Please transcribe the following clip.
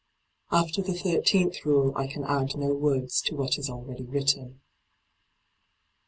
After the thirteenth rule I can add no words to what is already written.